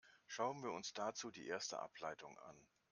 Schauen wir uns dazu die erste Ableitung an.